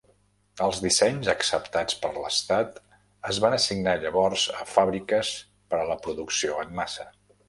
Els dissenys acceptats per l'estat es van assignar llavors a fàbriques per a la producció en massa.